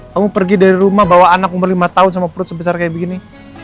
kamu pergi dari rumah bawa anak umur lima tahun sama perut sebesar kayak begini